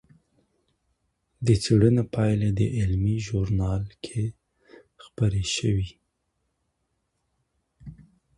د څېړنې پایلې د علمي ژورنال کې خپرې شوې.